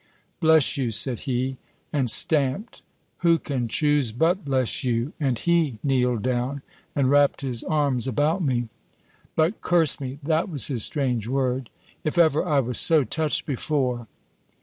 "Bless you!" said he, and stamped "Who can choose but bless you?" and he kneeled down, and wrapped his arms about me. "But, curse me," that was his strange word, "if ever I was so touched before!"